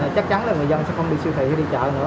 chắc chắn là người dân sẽ không đi siêu thị đi chợ nữa